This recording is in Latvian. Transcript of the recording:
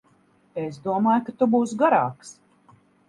Es domāju, ka tu būsi garāks.